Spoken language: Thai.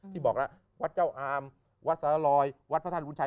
ที่บอกแล้ววัดเจ้าอามวัดสระลอยวัดพระท่านรุนชัย